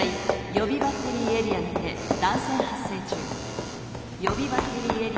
予備バッテリーエリアにて断線発生中。